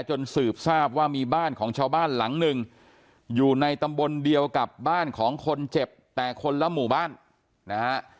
จนสืบทราบว่ามีบ้านของชาวบ้านหลังหนึ่งอยู่ในตำบลเดียวกับบ้านของคนเจ็บแต่คนละหมู่บ้านนะฮะ